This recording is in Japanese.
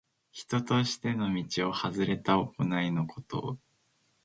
人としての道をはずれた行いのこと。